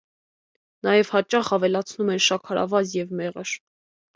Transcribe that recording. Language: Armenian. Նաև հաճախ ավելացնում են շաքարավազ և մեղր։